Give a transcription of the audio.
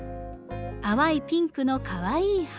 淡いピンクのかわいい花。